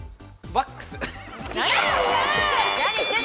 ワックス？